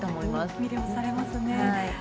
魅了されますね。